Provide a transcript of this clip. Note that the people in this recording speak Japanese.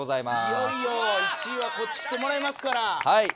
いよいよ１位はこっち来てもらいますから。